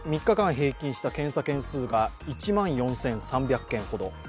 ３日間平均した検査件数が１万４３００件ほど。